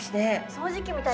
掃除機みたい。